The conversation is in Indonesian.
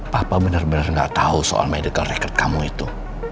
papa bener bener gak tau soal medical record kamu itu